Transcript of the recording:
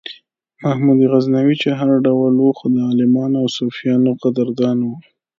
محمود غزنوي چې هر ډول و خو د عالمانو او صوفیانو قدردان و.